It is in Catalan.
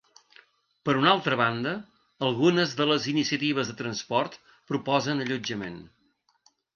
Per una altra banda, algunes de les iniciatives de transport proposen allotjament.